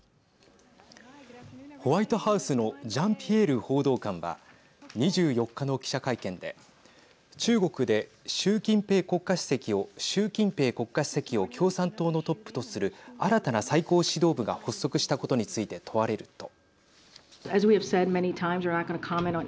ホワイトハウスのジャンピエール報道官は２４日の記者会見で中国で習近平国家主席を共産党のトップとする新たな最高指導部が発足したことについて問われると。